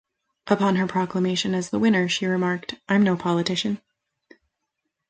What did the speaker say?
Upon her proclamation as the winner, she remarked, I'm no politician.